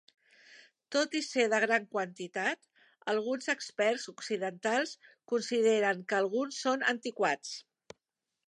Tot i ser de gran quantitat, alguns experts occidentals consideren que alguns són antiquats.